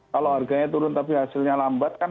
kalau harganya turun tapi hasilnya lambat kan